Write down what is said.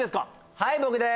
はい僕です